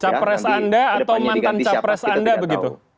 capres anda atau mantan capres anda begitu